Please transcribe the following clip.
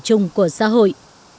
chung của xã hội